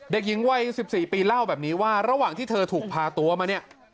เด็กหญิงวัย๑๔ปีเล่าแบบนี้ว่าระหว่างที่เธอถูกพาตัวมาเนี่ย